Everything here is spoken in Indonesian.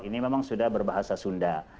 ini memang sudah berbahasa sunda